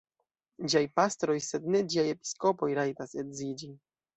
Ĝiaj pastroj, sed ne ĝiaj episkopoj, rajtas edziĝi.